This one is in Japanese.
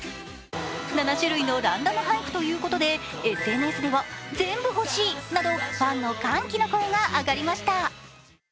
７種類のランダム配布ということでＳＮＳでは全部欲しい！などファンの歓喜の声が上がりました。